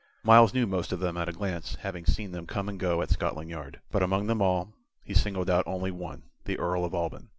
Myles knew most of them at a glance having seen them come and go at Scotland Yard. But among them all, he singled out only one the Earl of Alban.